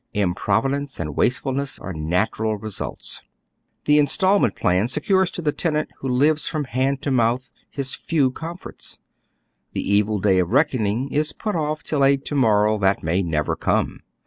Improvidence and wastefulness are natural results. The instalment plan secures to the tenant who lives from hand to mouth liis few comforts; the evil day of reckoning is put off till a to morrow that may never come.